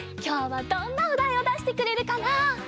きょうはどんなおだいをだしてくれるかな？